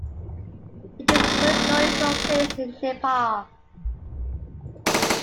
It is historical place in Nepal.